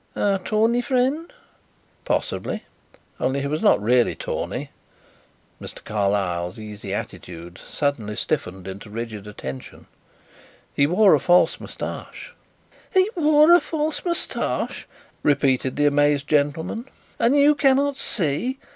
"Our tawny friend?" "Possibly. Only he was not really tawny." Mr. Carlyle's easy attitude suddenly stiffened into rigid attention. "He wore a false moustache." "He wore a false moustache!" repeated the amazed gentleman. "And you cannot see!